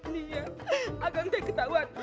nih ya akang teh ketahuan